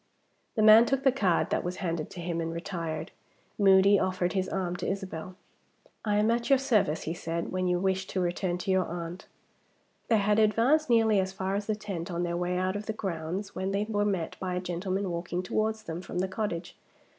The man took the card that was handed to him and retired. Moody offered his arm to Isabel. "I am at your service," he said, "when you wish to return to your aunt." They had advanced nearly as far as the tent, on their way out of the grounds, when they were met by a gentleman walking towards them from the cottage.